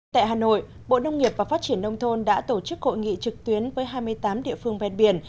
tại hà nội bộ nông nghiệp và phát triển nông thôn đã tổ chức hội nghị trực tuyến với hai mươi tám địa phương ven biển